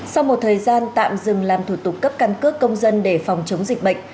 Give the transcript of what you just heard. sau một thời gian tạm dừng làm thủ tục cấp căn cước công dân để phòng chống dịch bệnh